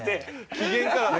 機嫌からね。